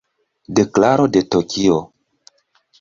Deklaro de Tokio.